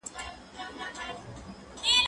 چي بیا یې خپل عاشق لره بلۍ نیولې ده